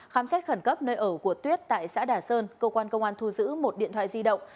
khám xét khẩn cấp nơi ở của tuyết tại xã đà sơn cơ quan công an thu giữ một điện thoại di động